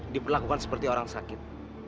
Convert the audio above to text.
diperlakukan seperti orang sakit